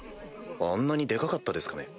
あんなにデカかったですかね？